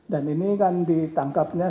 dan ini kan ditangkapnya